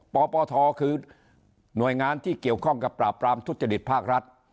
ปปทคือหน่วยงานที่เกี่ยวข้องกับปราบปรามทุจริตภาครัฐ